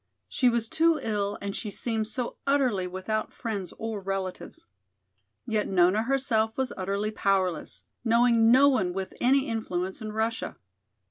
She was too ill and she seemed so utterly without friends or relatives. Yet Nona herself was utterly powerless, knowing no one with any influence in Russia.